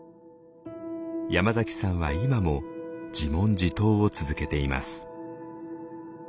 山崎さんは今も自問自答を続けています。